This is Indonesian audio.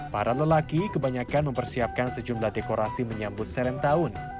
para lelaki kebanyakan mempersiapkan sejumlah dekorasi menyambut serentahun